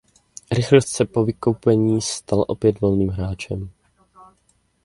Richards se po vykoupení stal opět volným hráčem.